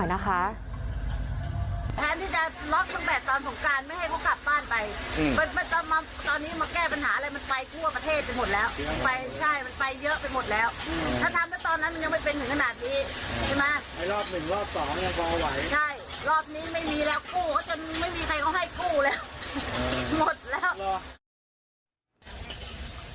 ใช่ค่ะรอบนี้ไม่มีแล้วกู้เขาจนไม่มีใครเขาให้กู้แล้วหมดแล้วเหรอ